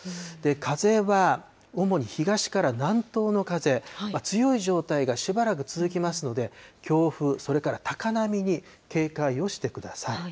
風は主に東から南東の風、強い状態がしばらく続きますので、強風、それから高波に警戒をしてください。